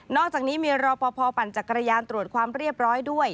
อกจากนี้มีรอปภปั่นจักรยานตรวจความเรียบร้อยด้วย